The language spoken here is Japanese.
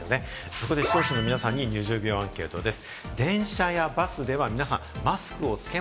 そこで視聴者の皆さんに２０秒アンケートです。